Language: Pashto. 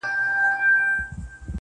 لېونو سره پرته د عشق معنا وي,